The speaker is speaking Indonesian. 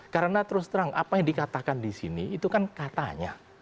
karena terus terang apa yang dikatakan di sini itu kan katanya